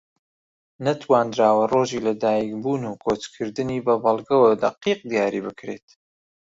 نەتوانراوە ڕۆژی لە دایک بوون و کۆچکردنی بە بەڵگەوە دەقیق دیاری بکرێت